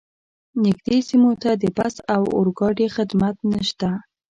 نږدې سیمو ته د بس او اورګاډي خدمات نشته